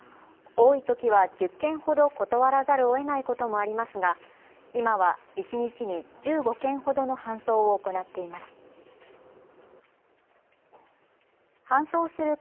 多いときは１０件ほど断らざるをえないこともありますが今は一日に１５件ほどの搬送を行っています。